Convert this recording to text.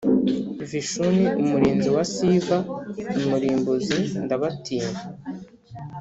vishinu umurinzi na siva umurimbuzi ndabatinya